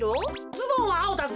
ズボンはあおだぜ。